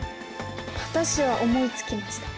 私は思いつきました。